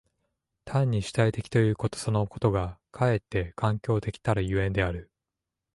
単に主体的ということそのことがかえって環境的たる所以である。